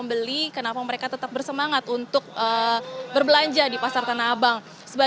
belum tentu juga